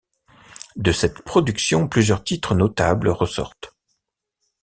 De cette production plusieurs titres notables ressortent.